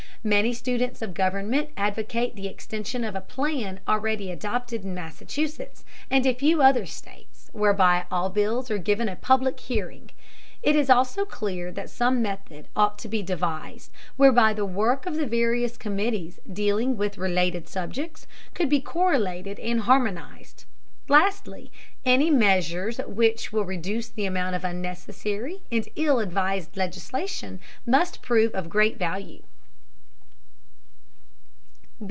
Many students of government advocate the extension of a plan already adopted in Massachusetts and a few other states, whereby all bills are given a public hearing. It is also clear that some method ought to be devised whereby the work of the various committees dealing with related subjects could be correlated and harmonized. Lastly, any measures which will reduce the amount of unnecessary and ill advised legislation must prove of great value.